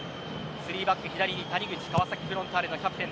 ３バック、左に谷口川崎フロンターレのキャプテン。